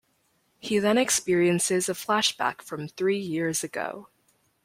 He then experiences a flashback from three years ago.